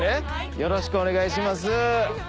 よろしくお願いします。